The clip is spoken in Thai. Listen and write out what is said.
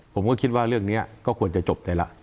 ผมก็คิดว่าเรื่องนี้ก็ควรจะจบได้ล่ะ